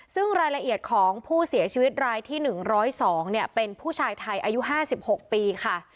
ซึ่งรายละเอียดของผู้เสียชีวิตรายที่๑๐๒เป็นผู้ชายไทยอายุ๕๖ปีค่ะ